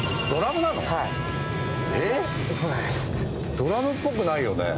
ドラムっぽくないよね。